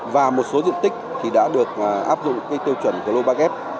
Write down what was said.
và một số diện tích thì đã được áp dụng tiêu chuẩn global gap